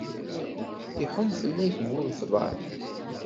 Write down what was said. Iḥun fell-ak bu lefḍal.